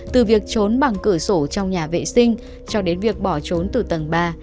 từ việc trốn bằng cửa sổ trong nhà vệ sinh cho đến việc bỏ trốn từ tầng ba